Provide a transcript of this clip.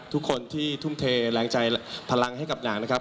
ทุกคนที่ทุ่มเทแรงใจพลังให้กับหนังนะครับ